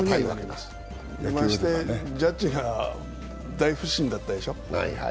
まして、ジャッジが大不振だったでしょう。